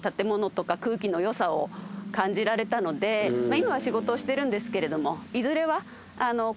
今は仕事をしてるんですけれども。